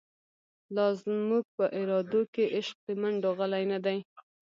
لازموږ په ارادوکی، عشق دمنډوغلی نه دی